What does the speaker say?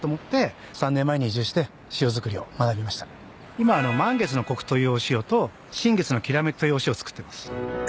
今満月の刻というお塩と新月の煌というお塩をつくってます。